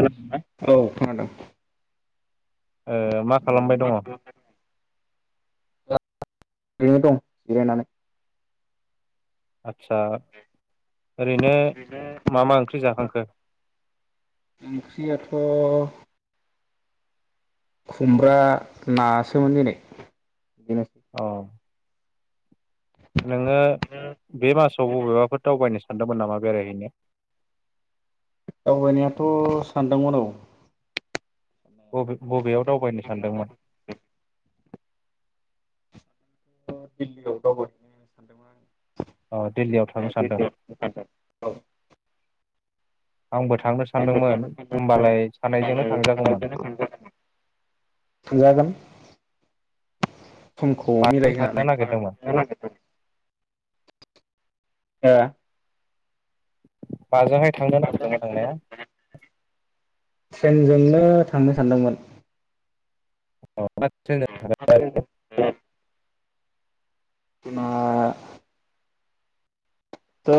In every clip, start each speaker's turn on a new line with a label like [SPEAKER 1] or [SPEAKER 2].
[SPEAKER 1] खोनादोंना औ खानादों।
[SPEAKER 2] ओ मा खालामबाय दङ?
[SPEAKER 1] रैनो दं जिरायनानै
[SPEAKER 2] आदचा ओरैनो मा मा ओंख्रि जाखांखो?
[SPEAKER 1] ओंख्रियाथ' खुमब्रा नासोमोन दिनै। बेनोसै
[SPEAKER 2] अ नोङो बे मासाव बबेबाफोर दावबायनो सानदोंमोन नामा बेरायहैनो
[SPEAKER 1] दावबायनायाथ' सानदोंमोन औ
[SPEAKER 2] बबे बबेयाव दावबायनो सानदोंमोन
[SPEAKER 1] दिल्लीयाव दावबायहैनो होनना सानदोंमोन आं
[SPEAKER 2] औ दिल्लीयाव थांनो सानदों। आंबो थांनो सानदोंमोन होमबालाय सानैजोंनो थांजागौमोन।
[SPEAKER 1] आं। थांजागोन समखौ
[SPEAKER 2] माजों थांनो
[SPEAKER 1] मिलायहोनानै
[SPEAKER 2] नागिरदोंमोन
[SPEAKER 1] [unintelligible] हो
[SPEAKER 2] माजोंहाय थांनो नागिरदोंमोन थांनाया
[SPEAKER 1] ट्रेनजोंनो थांनो सानदोंमोन
[SPEAKER 2] [unintelligible]
[SPEAKER 1] द [unintelligible] त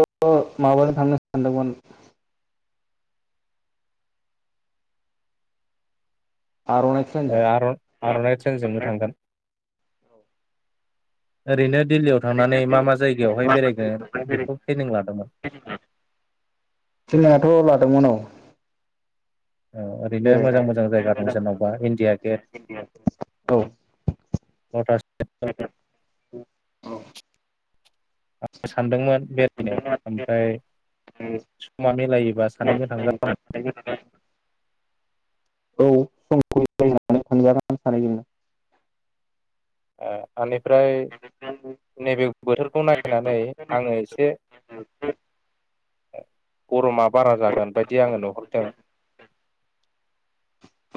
[SPEAKER 1] माबाजों थांनो सानदोंमोन। आर'नाइ ट्रेनजों
[SPEAKER 2] ए आर' आर'नाय ट्रेनजोंनो थांगोन।
[SPEAKER 1] जोंनाथ'
[SPEAKER 2] ओरैनो दिल्लीयाव
[SPEAKER 1] [unintelligible] प्लेन
[SPEAKER 2] थांनानै मा मा जायगायावहाय बेरायगोन बेखौ प्लेनिं लादोंमोन
[SPEAKER 1] आथ' लादोंमोन औ।
[SPEAKER 2] ओरैनो मोजां
[SPEAKER 1] बेरायनाय
[SPEAKER 2] मोजां जायगा दं जेनेबा इण्डिया गेट
[SPEAKER 1] औ
[SPEAKER 2] लटास टेमपोल। [unintelligible] सान्दोंमोन बेरायनो ओमफ्राय समा मिलायोबा सानैजों थांजागौमोन।
[SPEAKER 1] औ सम [unintelligible] सानैजोंनो
[SPEAKER 2] [unintelligible] ओमफ्राय नैबे बोथोरखौ नायनानै आङो एसे गर'मा बारा जागोन बायदि आङो नुहरदों।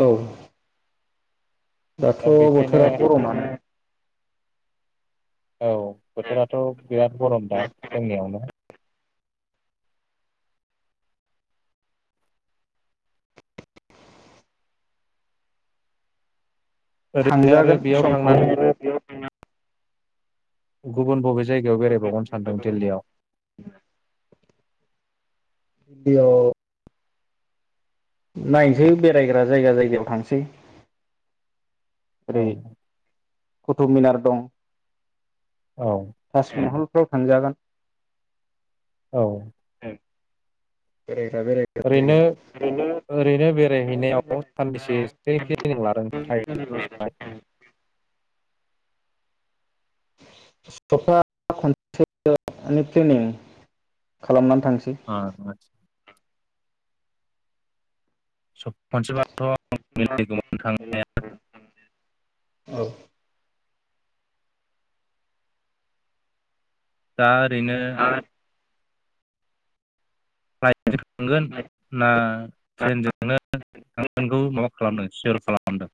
[SPEAKER 1] औ दाथ'
[SPEAKER 2] दा बेखायनो
[SPEAKER 1] बोथोरा गरमानो
[SPEAKER 2] औ बोथोराथ' बिराद गरम दा जोंनियावनो। ओरैनो आरो
[SPEAKER 1] थांजागोन
[SPEAKER 2] बेयाव
[SPEAKER 1] समखौ
[SPEAKER 2] थांनानै गुबुन बबे जायगायाव बेरायबावगोन सानदों दिल्लीयाव।
[SPEAKER 1] दिल्ली आव नायसै बेरायग्रा जायगा जायगायाव थांसै।
[SPEAKER 2] औ
[SPEAKER 1] कुथुबमिनार दं।
[SPEAKER 2] औ
[SPEAKER 1] ताज महल फ्राव थांजागोन
[SPEAKER 2] औ
[SPEAKER 1] [unintelligible] जेरै
[SPEAKER 2] ओरैनो-ओरैनो बेरायहैनायाव सानबैसे प्लेनिं लादों‌ जाय
[SPEAKER 1] सप्ता खनसे प्लेनिं खालामनानै थांसै
[SPEAKER 2] ओ आह [unintelligible]
[SPEAKER 1] औ
[SPEAKER 2] दा ओरैनो थांगोन ना ट्रेनजोंनो थांगोनखौ माबा खालामदों सियर खालामदों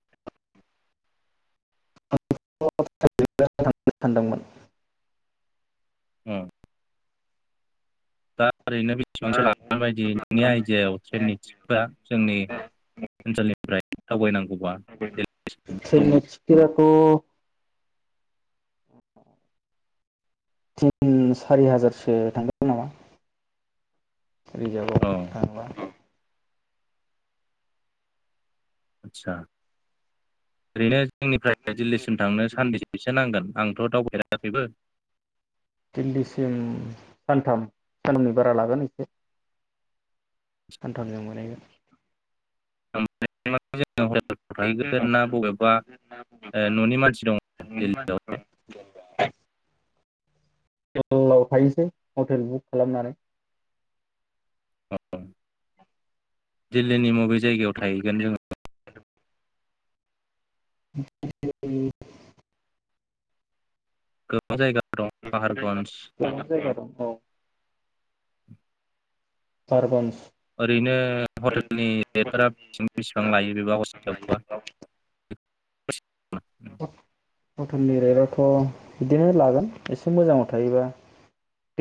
[SPEAKER 1] सानदोंमोन
[SPEAKER 2] औ दा ओरैनो बेसेबां सो लागोन बादि नोंनि आइदियाव ट्रेननि टिकेटा जोंनि ओनसोलनिफ्राय दावबायनांगौ
[SPEAKER 1] [unintelligible] [unintelligible] तिन सारि हाजारसो थांगोन नामा रिजाभआव
[SPEAKER 2] औ
[SPEAKER 1] थांबा
[SPEAKER 2] आथसा ओरैनो आंनिफ्राय दिल्लीसिम थांनो सानबैसे सो नांगोन आंथ' दावफेराखैबो
[SPEAKER 1] दिल्लीसिम सानथाम सानामनि बारा लागोन एसे सानथामजों मोनहैगोन
[SPEAKER 2] [unintelligible] हटेलफ्राव थाहैगोन ना बबेबा न'नि मानसि दङ दिलीयावहाय
[SPEAKER 1] हटेलाव थायोसै हटेल बुक खालामनानै
[SPEAKER 2] दिललीनि मबि जायगायाव थाहैगोन जोंङो
[SPEAKER 1] [unintelligible]
[SPEAKER 2] गोबां जायगा दं पाहारगन्ज
[SPEAKER 1] [unintelligible] पारबनस
[SPEAKER 2] ओरैनो हटेलनि रेटफोरा बेसेबां बेसेबां लायो बेबो हरसेयावबा
[SPEAKER 1] हटेननि रेटआवथ' बिदिनो लागोन एसे मोजाङाव थायोबा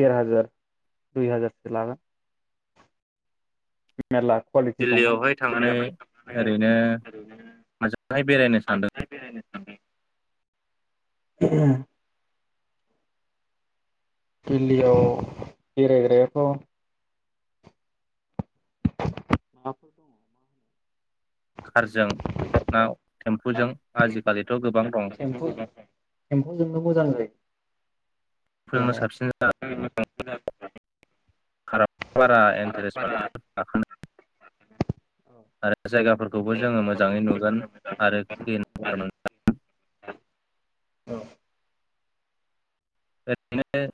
[SPEAKER 1] देर हाजार दुइ हाजारसो लागोन मेर्ला कुवालिटि
[SPEAKER 2] दिल्लीयावहाय
[SPEAKER 1] दंनानानै
[SPEAKER 2] थांनानै ओरैनो माजोंहाय बेरायनो सानदों
[SPEAKER 1] ओरैनोबो बेरायनो [unintelligible] दिल्लीयाव बेरायग्रायाथ' [unintelligible]
[SPEAKER 2] कारजों ना टेम्फुजों ना
[SPEAKER 1] थेम्फु सेम्फु जोंनो मोजां जायो।
[SPEAKER 2] टेम्फुजोंनो साबसिन
[SPEAKER 1] [unintelligible]
[SPEAKER 2] खाराबारा इन्थारेसथ जायो
[SPEAKER 1] औ
[SPEAKER 2] आरो जायगाफोरखौबो जोंङो मोजाङै नुगोन आरो क्लिन मोनगोन [inaudible] बे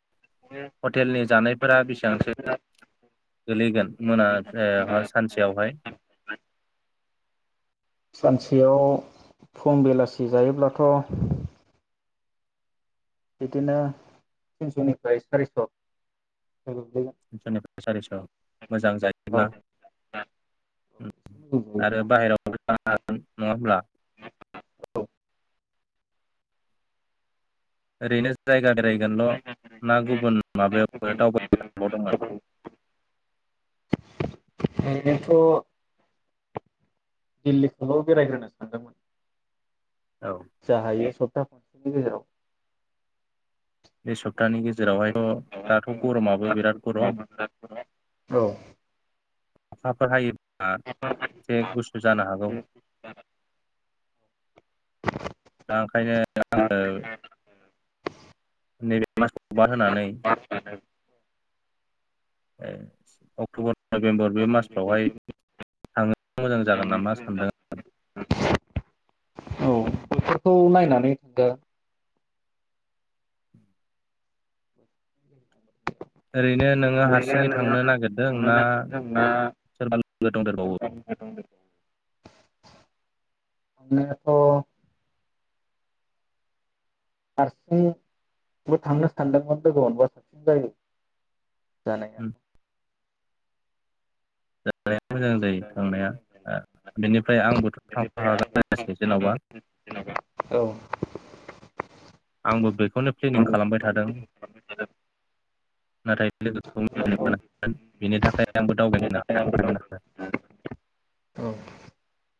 [SPEAKER 2] हटेलनि जानायफोरा बेसेबांसो गोलैगोन मोना सानसेयावहाय?
[SPEAKER 1] सानसेयाव फुं बेलासि जायोब्लाथ' बिदिनो तिनस'निफ्राय सारिस' गोग्लैगोन
[SPEAKER 2] तिनस'निफ्राय सारिस' मोजां
[SPEAKER 1] औ
[SPEAKER 2] जायोब्ला
[SPEAKER 1] एसे मोजां
[SPEAKER 2] आरो
[SPEAKER 1] जायोब्ला
[SPEAKER 2] बाहेरायावबो जानो हागोन नङा होमब्ला ओरैनो जायगा बेरायगोनल' ना गुबुन माबायावबो दावबायल' दंमोन
[SPEAKER 1] ओरैनोथ दिल्लीखौल' बेरायग्रोनो सानदोंमोन
[SPEAKER 2] औ
[SPEAKER 1] जा हायो सपथा नि गेजेराव
[SPEAKER 2] बेसब पतानि गेजेरावहायथ' दाथ' गरमाबो बिराद गरम
[SPEAKER 1] औ
[SPEAKER 2] अखाफोर हायो बा एसे गुसुजानो हागौ दा ओंखायनो आङो नैबे मासखौ बाद होनानै ए अक्ट'बर नभेम्बर बे मासफ्रावहाय थांनो मोजां जागोन नामा सानदों
[SPEAKER 1] औ बेफोरखौ नायनानै थदो
[SPEAKER 2] ओरैनो नोङो हारसिङै थांनो नागिरदों ना सोरबा लोगो दंदेरबावो?
[SPEAKER 1] बेनोथ' हारसिंबो थांनो सानदोंमोन लोगो मोनबा साबसिन जायो जानायाथ'
[SPEAKER 2] [unintelligible] मोजां जायो थांनाया बेनिफ्राय आंबोथ' थांफा हागोनासै जेन'बा
[SPEAKER 1] औ
[SPEAKER 2] आंबो बेखौनो प्लेनिं खालामबाय थादों नथाय [unintelligible]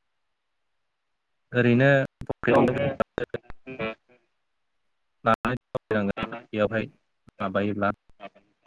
[SPEAKER 2] ओरैनो [unintelligible]
[SPEAKER 1] द
[SPEAKER 2] [unintelligible] [unintelligible] बेयावहाय माबायोब्ला